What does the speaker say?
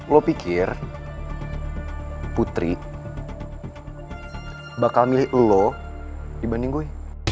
lo pikir putri bakal milih lo dibanding gue